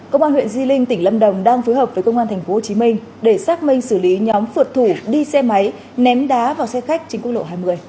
công an huyện di linh tỉnh lâm đồng đang phối hợp với công an tp hcm để xác minh xử lý nhóm phượt thủ đi xe máy ném đá vào xe khách trên quốc lộ hai mươi